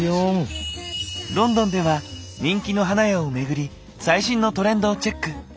ロンドンでは人気の花屋をめぐり最新のトレンドをチェック。